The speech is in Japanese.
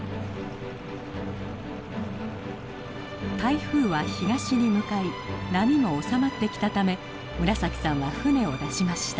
台風は東に向かい波も収まってきたため村崎さんは船を出しました。